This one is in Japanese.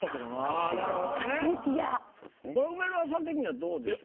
これ梅沢さん的にはどうですか？